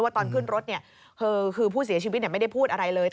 ตอนขึ้นรถคือผู้เสียชีวิตไม่ได้พูดอะไรเลย